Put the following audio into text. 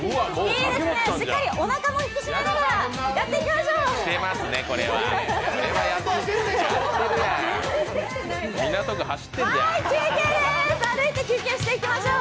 いいですね、しっかりおなかも引き締めながらやっていきましょう。